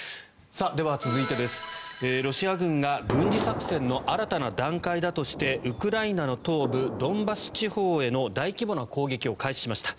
続いて、ロシア軍が軍事作戦の新たな段階だとしてウクライナの東部ドンバス地方への大規模な攻撃を開始しました。